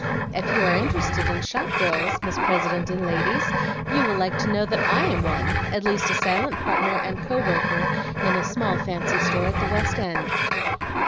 "If you are interested in shop girls, Miss President and ladies, you will like to know that I am one, at least a silent partner and co worker in a small fancy store at the West End."